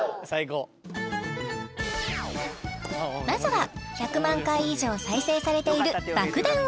まずは１００万回以上再生されている爆弾